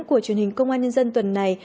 của truyền hình công an nhân dân tuần này